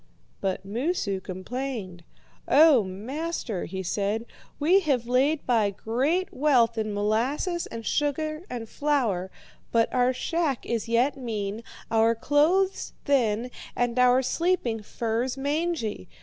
"But Moosu complained. 'O master,' he said, 'we have laid by great wealth in molasses and sugar and flour, but our shack is yet mean, our clothes thin, and our sleeping furs mangy.